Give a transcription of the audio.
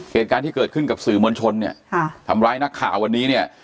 เหตุการณ์ที่เกิดขึ้นกับสื่อมวลชนเนี่ยค่ะทำร้ายนักข่าววันนี้เนี่ย